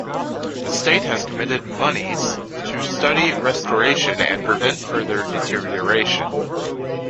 The state has committed monies to study restoration and prevent further deterioration.